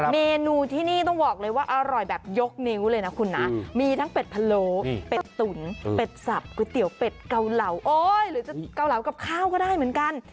เมนูที่นี่ต้องบอกเลยว่าอร่อยแบบยกนิ้วเลยนะคุณนะมีทั้งเป็ดพะโลเป็ดตุ๋นเป็ดสับก๋วยเตี๋ยวเป็ดเกาเหลาโอ๊ยหรือจะเกาเหลากับข้าวก็ได้เหมือนกัน